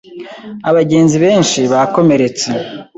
Abagenzi benshi bakomeretse.